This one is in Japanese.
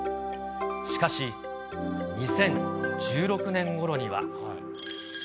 しかし、２０１６年ごろには。